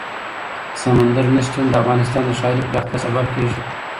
سمندر نه شتون د افغانستان د ښاري پراختیا سبب کېږي.